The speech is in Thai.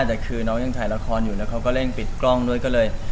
แต่คือน้องยังถ่ายละครอยู่แล้วเขาก็เร่งปิดกล้องด้วยก็เลย